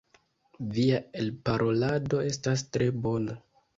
Via elparolado estas tre bona.